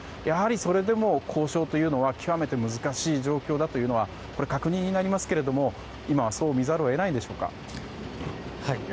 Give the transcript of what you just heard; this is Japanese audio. やはりそれでも交渉というのは極めて難しい状況だというのはこれは確認になりますが今は、そう見ざるを得ないんでしょうか。